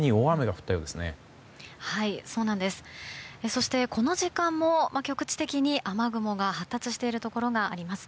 そして、この時間も局地的に雨雲が発達しているところがあります。